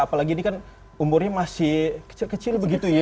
apalagi ini kan umurnya masih kecil kecil begitu ya